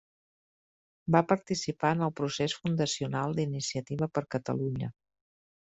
Va participar en el procés fundacional d'Iniciativa per Catalunya.